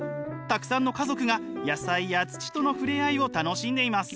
たくさんの家族が野菜や土との触れ合いを楽しんでいます。